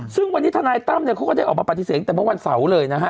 ซึ่งวันนี้ทนายตั้มเนี่ยเขาก็ได้ออกมาปฏิเสธแต่เมื่อวันเสาร์เลยนะฮะ